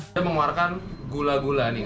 dia mengeluarkan gula gula nih